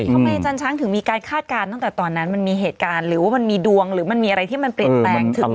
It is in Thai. อาจารย์ช้างถึงมีการคาดการณ์ตั้งแต่ตอนนั้นมันมีเหตุการณ์หรือว่ามันมีดวงหรือมันมีอะไรที่มันเปลี่ยนแปลงถึง